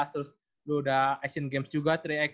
terus lu udah asian games juga tiga x tiga